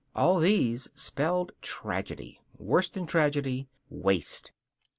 All these spelled tragedy. Worse than tragedy waste.